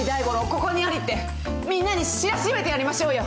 ここにありってみんなに知らしめてやりましょうよ！